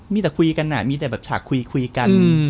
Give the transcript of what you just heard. มีแต่คุยกันมีแต่แบบฉากคุยกัน